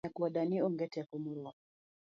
Nyakwar dani onge teko moromo